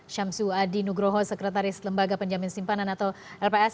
syamsu adi nugroho sekretaris lembaga penjamin simpanan atau lps